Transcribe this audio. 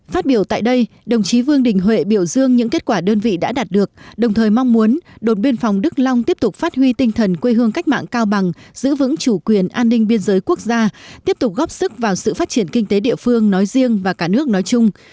phát biểu tại đây đồng chí vương đình huệ biểu dương những kết quả đơn vị đã đạt được đồng thời mong muốn đồn biên phòng đức long tiếp tục phát huy tinh thần quê hương cách mạng cao bằng giữ vững chủ quyền an ninh biên giới quốc gia tiếp tục góp sức vào sự phát triển kinh tế địa phương nói riêng và cả nước nói chung